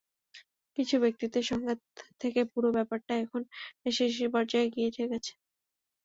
কিন্তু ব্যক্তিত্বের সংঘাত থেকে পুরো ব্যাপারটা এখন রেষারেষির পর্যায়ে গিয়ে ঠেকেছে।